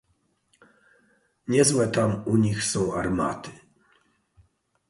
"niezłe tam u nich są armaty!"